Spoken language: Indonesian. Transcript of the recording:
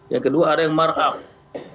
yang kedua ada yang markup